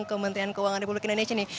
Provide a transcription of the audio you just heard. kementerian keuangan republik indonesia nih